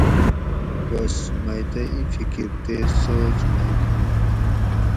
بس مئی تہ ایں فکر تے سوچ مئی کھانت